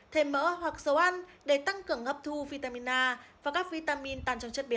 thêm mỡ hoặc dầu ăn để tăng cường hấp thu vitamin a và các vitamin tàn trong chất béo